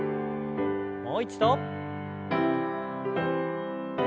もう一度。